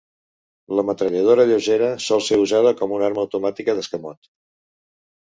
La metralladora lleugera sol ser usada com una arma automàtica d'escamot.